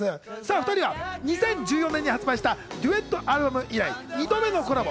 ２人は２０１４年に発売したデュエットアルバム以来、２度目のコラボ。